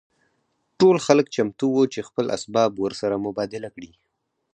ټول خلک چمتو وو چې خپل اسباب ورسره مبادله کړي